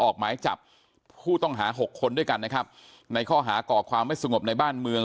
ออกหมายจับผู้ต้องหาหกคนด้วยกันนะครับในข้อหาก่อความไม่สงบในบ้านเมือง